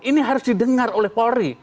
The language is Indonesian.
ini harus didengar oleh polri